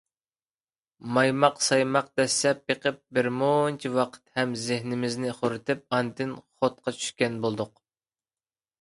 مايماق-سايماق دەسسەپ بېقىپ، بىرمۇنچە ۋاقىت ھەم زېھنىمىزنى خورىتىپ ئاندىن خوتقا چۈشكەن بولدۇق.